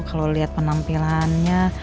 kalau lihat penampilannya